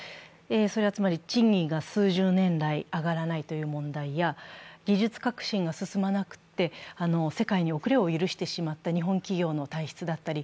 それは、つまり賃金が数十年来、上がらないという問題や技術革新が進まなくて世界に遅れを許してしまった日本企業の体質だったり、